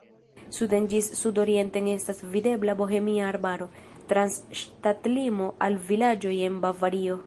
Suden ĝis sudorienten estas videbla Bohemia arbaro, trans ŝtatlimo al vilaĝoj en Bavario.